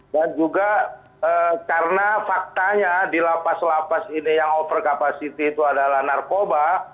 dan juga karena faktanya di lapas lapas ini yang over capacity itu adalah narkoba